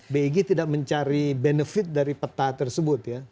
big tidak mencari benefit dari peta tersebut ya